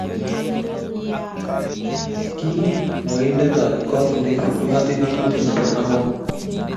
Ki mwoindetab kot ne kingoten ngatutik nebo angwan